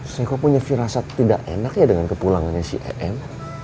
saya kok punya firasat tidak enak ya dengan kepulangannya si em